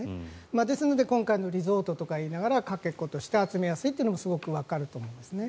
ですので今回のリゾートとか言いながらかけ子として集めやすいというのもすごくわかると思いますね。